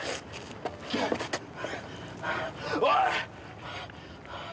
おい！